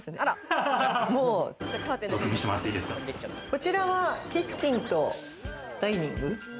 こちらはキッチンとダイニング。